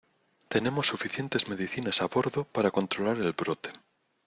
tenemos suficientes medicinas a bordo para controlar el brote.